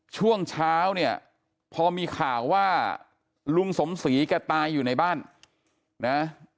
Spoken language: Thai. ช่วงเช้าเนี่ยพอมีข่าวว่าลุงสมศรีแกตายอยู่ในบ้านนะ